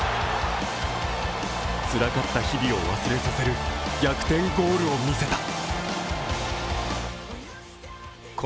つらかった日々を忘れさせる逆転ゴールを見せた。